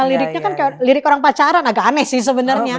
liriknya kan lirik orang pacaran agak aneh sih sebenarnya